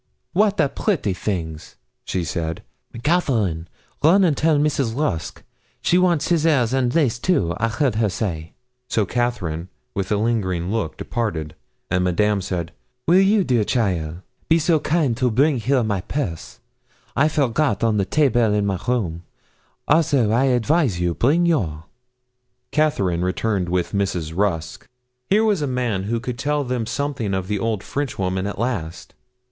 'Wat a pretty things!' she said. 'Catherine, run and tell Mrs. Rusk. She wants scissars, and lace too I heard her say.' So Catherine, with a lingering look, departed; and Madame said 'Will you, dear cheaile, be so kind to bring here my purse, I forgot on the table in my room; also, I advise you, bring your.' Catherine returned with Mrs. Rusk. Here was a man who could tell them something of the old Frenchwoman, at last!